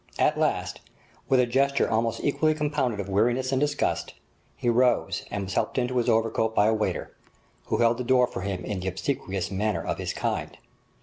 At last, with a gesture almost equally compounded of weariness and disgust, he rose and was helped into his overcoat by a waiter, who held the door for him in the obsequious manner of his kind.